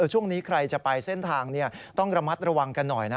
ช่วงนี้ใครจะไปเส้นทางต้องระมัดระวังกันหน่อยนะ